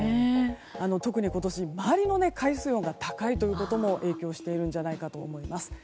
特に今年周りの海水温が高いことも影響しているんじゃないかと思います。